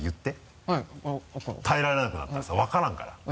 耐えられなくなったらさ分からんから。